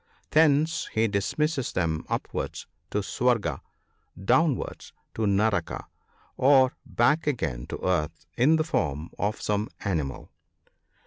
Thence he dismisses them upwards to Swarga, downwards to Naraka, or back again to earth in the form of some animal.